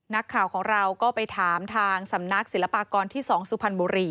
นักข่าวของเราก็ไปถามทางสำนักศิลปากรที่๒สุพรรณบุรี